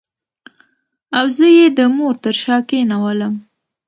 او زه یې د مور تر شا کېنولم.